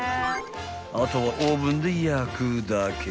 ［あとはオーブンで焼くだけ］